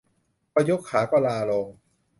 พอยกขาก็ลาโรง